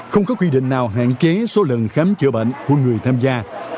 không có quy định nào hạn chế số lần khám chữa bệnh của người tham gia